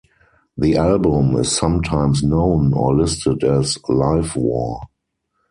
The album is sometimes known or listed as "Live War".